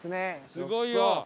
すごいよ！